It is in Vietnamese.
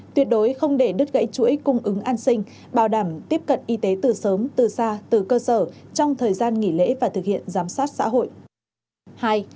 tuyệt đối không để đứt gãy chuỗi cung ứng an sinh bảo đảm tiếp cận y tế từ sớm từ xa từ cơ sở trong thời gian nghỉ lễ và thực hiện giám sát xã hội